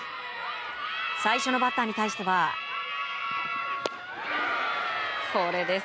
最初のバッターに対してはこれです。